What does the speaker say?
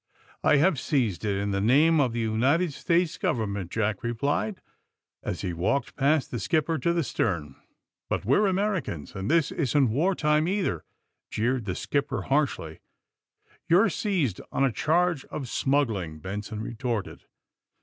*'I have seized it in the name of the United States government, '' Jack replied, as he walked past the skipper to the stern. *^But we're Americans, and this isn't war time, either," jeered the skipper harshly. ^'You're seized on a charge of smuggling," Benson retorted.